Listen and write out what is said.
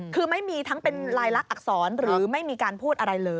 คือไม่มีทั้งเป็นลายลักษณอักษรหรือไม่มีการพูดอะไรเลย